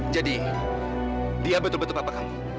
jadi dia betul betul papa kamu